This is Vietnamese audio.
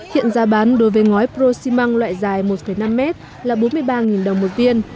hiện ra bán đối với ngói crostimang loại dài một năm m là bốn mươi ba đồng một viên